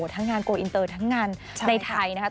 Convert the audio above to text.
ทั้งงานโกลอินเตอร์ทั้งงานในไทยนะครับ